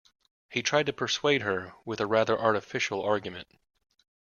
He tried to persuade her with a rather artificial argument